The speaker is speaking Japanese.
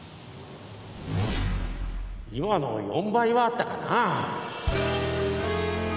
今の４倍はあったかなぁ。